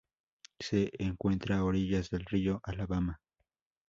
Se encuentra a orillas del río Alabama.